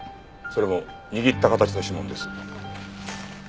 それも握った形の指紋です。